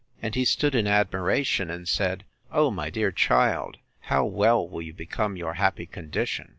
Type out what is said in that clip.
And he stood in admiration, and said, O, my dear child, how well will you become your happy condition!